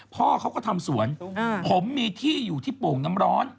พ่อเขาก็ทำสวนผมมีที่อยู่ที่โป่งน้ำร้อน